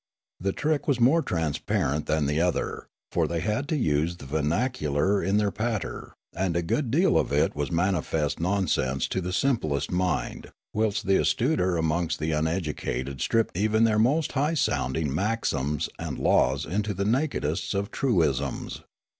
The trick was more transparent than the other, for they had to use the vernacular in their pat ter ; and a good deal of it was manifest nonsense to the simplest mind, whilst the astuter amongst the uneducated stripped even their most high sounding maxims and laws into the nakedest of truisms.